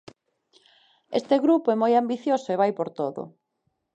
Este grupo é moi ambicioso e vai por todo.